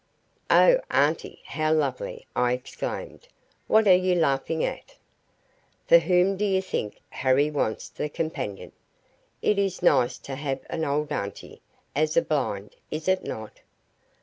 "Oh, auntie, how lovely!" I exclaimed. "What are you laughing at?" "For whom do you think Harry wants the companion? It is nice to have an old auntie, as a blind, is it not?